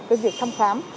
cái việc thăm khám